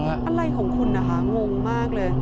อะไรของคุณมองมากเลย